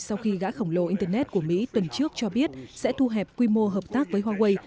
sau khi gã khổng lồ internet của mỹ tuần trước cho biết sẽ thu hẹp quy mô hợp tác với huawei